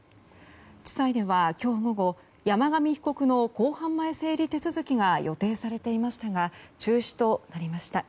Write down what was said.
地裁では、今日午後山上被告の公判前整理手続きが予定されていましたが中止となりました。